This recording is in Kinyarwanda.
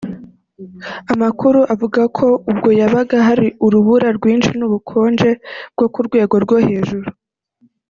Amakuru avuga ko ubwo yabaga hari urubura rwinshi n’ubukonje bwo ku rwego rwo hejuru